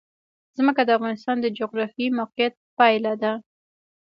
ځمکه د افغانستان د جغرافیایي موقیعت پایله ده.